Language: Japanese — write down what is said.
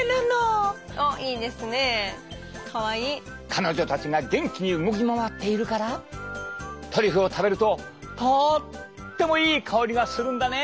彼女たちが元気に動き回っているからトリュフを食べるととってもいい香りがするんだね。